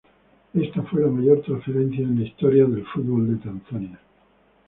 Esta fue la mayor transferencia en la historia del fútbol de Tanzania.